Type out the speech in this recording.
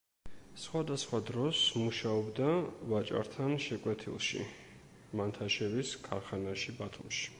სხვადასხვა დროს მუშაობდა ვაჭართან შეკვეთილში, მანთაშევის ქარხანაში ბათუმში.